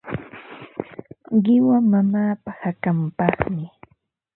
Qiwa mamaapa hakanpaqmi.